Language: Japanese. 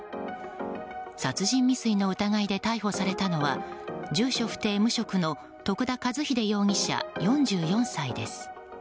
殺人未遂の疑いで逮捕されたのは住所不定・無職の徳田和秀容疑者、４４歳です。